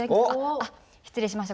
あ失礼しました。